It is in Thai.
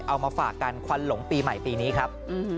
เอามาฝากกันควันหลงปีใหม่ปีนี้ครับ